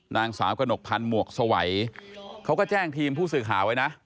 นางสาวกระหนกพันธ์หมวกสวัยเขาก็แจ้งทีมผู้สื่อข่าวไว้นะ